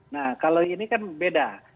nah kalau ini kan beda